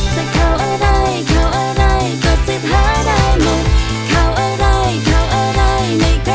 เข้าอะไรเข้าอะไรไม่เคยรอดแรงหลัก